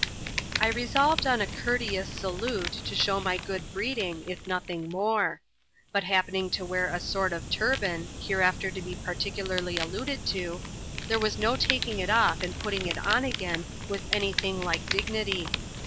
I resolved on a courteous salute, to show my good breeding, if nothing more. But happening to wear a sort of turban — hereafter to be particularly alluded to — there was no taking it off and putting it on again with any thing like dignity.